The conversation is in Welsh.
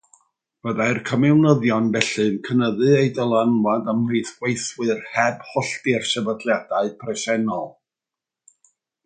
Byddai'r Comiwnyddion felly'n cynyddu eu dylanwad ymhlith gweithwyr heb hollti'r sefydliadau presennol.